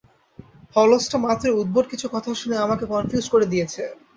হলস্ট মাত্রই উদ্ভট কিছু কথা শুনিয়ে আমাকে কনফিউজড করে দিয়েছে।